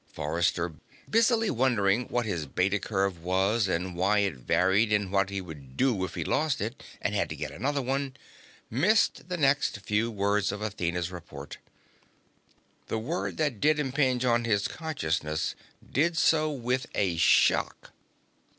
Forrester, busily wondering what his Beta curve was, and why it varied, and what he would do if he lost it and had to get another one, missed the next few words of Athena's report. The word that did impinge on his consciousness did so with a shock.